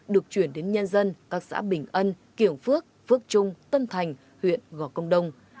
được chuyển đến nhân dân các xã bình ân kiểng phước phước trung tân thành huyện gò công đông